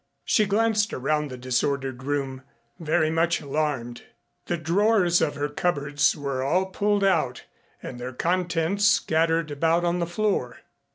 She glanced around the disordered room, very much alarmed. The drawers of her cupboards were all pulled out and their contents scattered about on the floor.